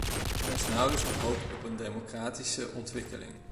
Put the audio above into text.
Er is nauwelijks nog hoop op een democratische ontwikkeling.